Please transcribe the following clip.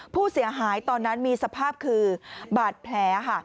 ผู้เสียหายตอนนั้นมีสภาพคือบาดแผลค่ะ